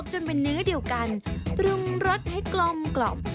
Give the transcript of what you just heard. จนเป็นเนื้อเดียวกันปรุงรสให้กลมกล่อม